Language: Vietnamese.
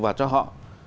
và cho họ